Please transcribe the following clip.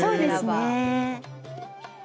そうですね。